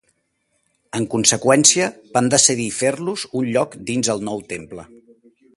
En conseqüència van decidir fer-los un lloc dins el nou temple.